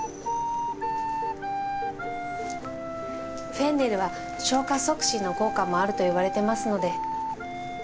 フェンネルは消化促進の効果もあると言われてますので。